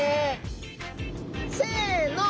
せの！